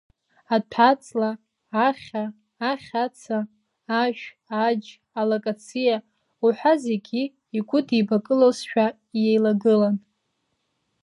Аҭәаҵла, ахьа, ахьаца, ашә, аџь, алакациа уҳәа зегьы игәыдибакылозшәа иеилагылан.